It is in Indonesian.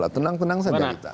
tenang tenang saja kita